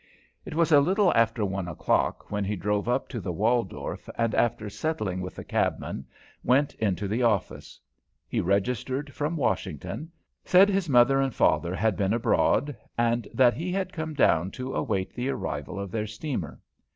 It was a little after one o'clock when he drove up to the Waldorf, and, after settling with the cabman, went into the office. He registered from Washington; said his mother and father had been abroad, and that he had come down to await the arrival of their steamer.